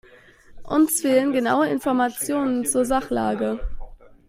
Uns fehlen genaue Informationen zur Sachlage.